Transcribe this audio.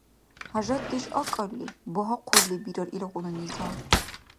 ХӀяжатдеш акӀалли, багьахъурли бирар илгъуна низам.